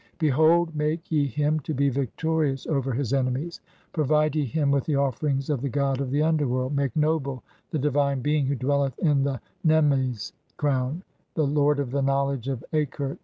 (16) Be "hold, make [ye him] to be victorious over his enemies, pro "vide [ye him] with the offerings of the god of the underworld, "make noble the divine being who dwelleth in the nemmes "(17) crown, the lord of the knowledge of Akert.